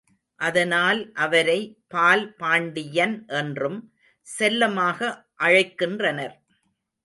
அதனால் அவரை பால் பாண்டியன் என்றும் செல்லமாக அழைக்கின்றனர்.